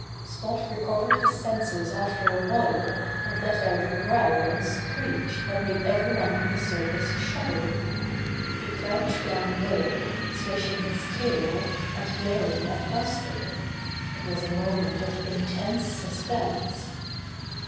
Spot recovered his senses after a while and let out a growl and screech that made every one in the circus shudder. He crouched down low, swishing his tail, and glaring at Buster. It was a moment of intense suspense.